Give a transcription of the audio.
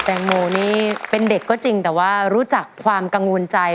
แตงโมนี่เป็นเด็กก็จริงแต่ว่ารู้จักความกังวลใจ